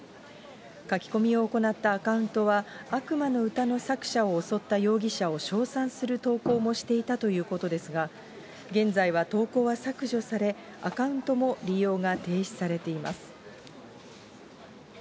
書き込みを行ったアカウントは悪魔の詩の作者を襲った容疑者を称賛する投稿もしていたということですが、現在は投稿は削除され、アカウントも利用が停止されています。